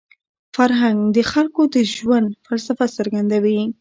فرهنګ د خلکو د ژوند فلسفه څرګندوي.